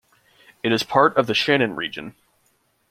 It is part of the Shannan region.